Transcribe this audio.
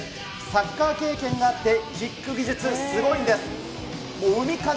サッカー経験があって、キック技術、すごいんです。